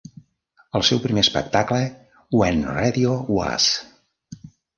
El seu primer espectacle "When Radio Was!"